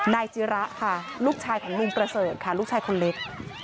จิระค่ะลูกชายของลุงประเสริฐค่ะลูกชายคนเล็ก